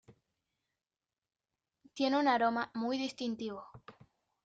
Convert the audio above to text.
Tiene un aroma muy distintivo.